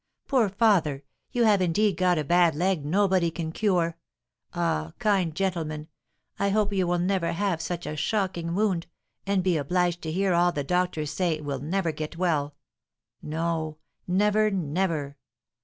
"Poor father! you have indeed got a bad leg nobody can cure. Ah, kind gentlemen, I hope you will never have such a shocking wound, and be obliged to hear all the doctors say it never will get well. No! never never.